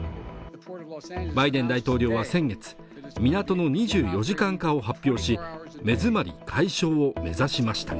バイデン大統領は先月港の２４時間化を発表し目詰まり解消を目指しましたが